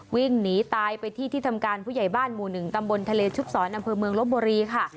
วิ่งหนีตายไปที่ที่ทำการผู้ใหญ่บ้านหมู่๑ตำบลทะเลชุบศรอำเภอเมืองลบบุรีค่ะ